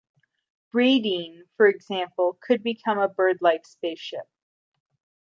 Raydeen, for example, could become a birdlike spaceship.